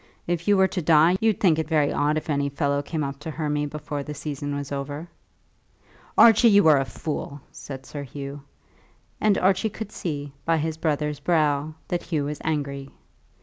If you were to die, you'd think it very odd if any fellow came up to Hermy before the season was over." "Archie, you are a fool," said Sir Hugh; and Archie could see by his brother's brow that Hugh was angry.